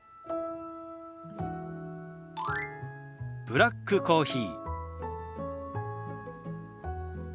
「ブラックコーヒー」。